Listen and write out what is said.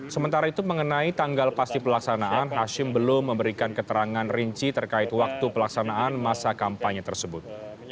sementara itu mengenai tanggal pasti pelaksanaan hashim belum memberikan keterangan rinci terkait waktu pelaksanaan masa kampanye tersebut